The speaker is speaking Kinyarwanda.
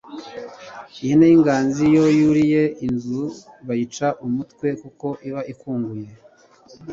Ihene y’inyagazi iyo yuriye inzu bayica amatwi kuko iba ikunguye